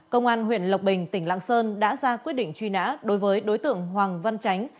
công an huyện lộc bình tỉnh lạng sơn đã ra quyết định truy nã đối với đối tượng hoàng văn tránh